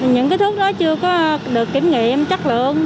những cái thuốc đó chưa có được kiểm nghiệm chất lượng